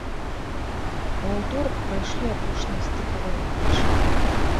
У аўторак прайшлі апошнія стыкавыя матчы.